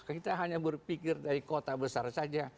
kita hanya berpikir dari kota besar saja